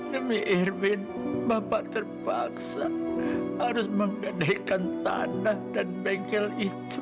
demi irwin bapak terpaksa harus menggedekan tanah dan bengkel itu